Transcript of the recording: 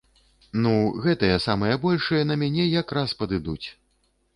Ну, гэтыя самыя большыя на мяне якраз падыдуць!